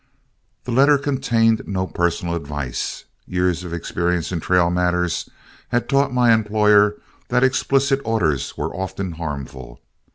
The letter contained no personal advice. Years of experience in trail matters had taught my employer that explicit orders were often harmful.